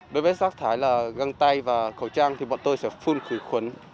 đối với rác thải là găng tay và khẩu trang thì bọn tôi sẽ phun khử khuẩn